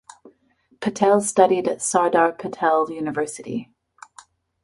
Patel studied at Sardar Patel University.